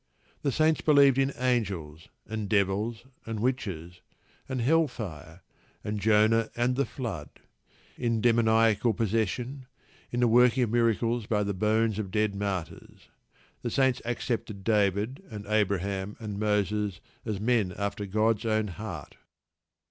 The Saints believed in angels, and devils, and witches, and hell fire and Jonah, and the Flood; in demoniacal possession, in the working of miracles by the bones of dead martyrs; the Saints accepted David and Abraham and Moses as men after God's own heart.